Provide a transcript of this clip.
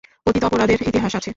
অতীত অপরাধের ইতিহাস আছে?